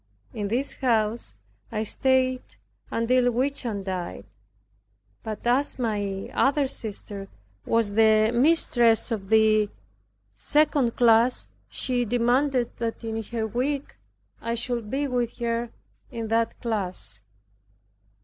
In this house I staid until Whitsuntide. But as my other sister was mistress of the second class, she demanded that in her week I should be with her in that class.